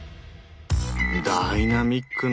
ダイナミックね！